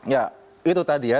ya itu tadi ya